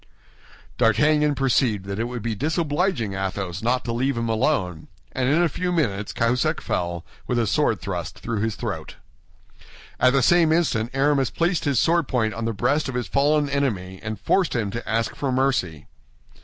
D'Artagnan perceived that it would be disobliging Athos not to leave him alone; and in a few minutes Cahusac fell, with a sword thrust through his throat. At the same instant Aramis placed his sword point on the breast of his fallen enemy, and forced him to ask for mercy.